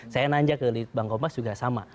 saya nanya ke bank kompas juga sama